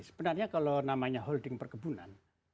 sebenarnya kalau namanya holding perkebunan